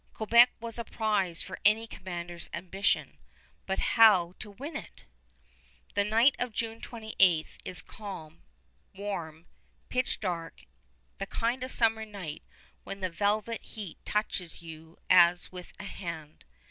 Quebec was a prize for any commander's ambition; but how to win it? The night of June 28 is calm, warm, pitch dark, the kind of summer night when the velvet heat touches you as with a hand.